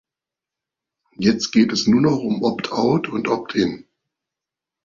Jetzt geht es nur noch um opt-out und opt-in.